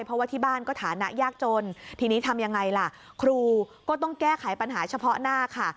เพราะว่าที่บ้านก็ฐานะยากจนทีนี้ทำยังไงล่ะครูก็ต้องแก้ไขปัญหาเฉพาะหน้าค่ะ